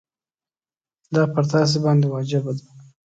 دا پر تاسي باندي واجبه ده.